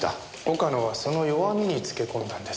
岡野はその弱みにつけ込んだんですね。